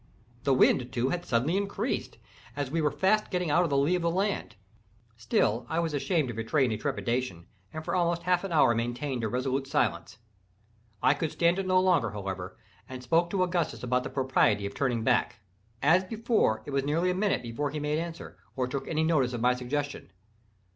The wind, too, had suddenly increased, as we were fast getting out of the lee of the land—still I was ashamed to betray any trepidation, and for almost half an hour maintained a resolute silence. I could stand it no longer, however, and spoke to Augustus about the propriety of turning back. As before, it was nearly a minute before he made answer, or took any notice of my suggestion.